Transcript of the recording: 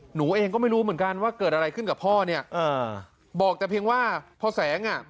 หนูเองก็ไม่รู้เหมือนกันว่าเกิดอะไรขึ้นกับพ่อเนี่ยเออบอกแต่เพียงว่าพอแสงอ่ะ